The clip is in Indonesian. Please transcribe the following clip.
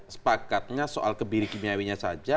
sepakatnya soal kebiri kimiawinya saja